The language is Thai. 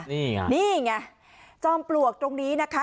นี่ไงนี่ไงจอมปลวกตรงนี้นะคะ